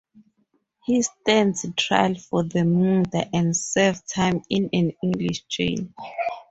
He stands trial for the murder and serves time in an English jail.